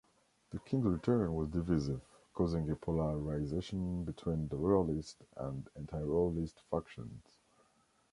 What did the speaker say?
The King's return was divisive, causing a polarisation between the royalist and anti-royalist factions.